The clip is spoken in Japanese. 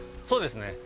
そうですね。